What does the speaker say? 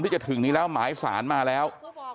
ที่จะถึงนี้แล้วหมายสารมาแล้ว